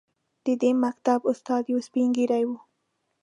د دې مکتب استاد یو سپین ږیری و.